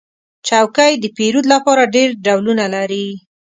چوکۍ د پیرود لپاره ډېر ډولونه لري.